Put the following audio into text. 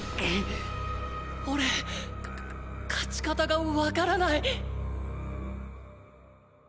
おれ勝ち方がわからない。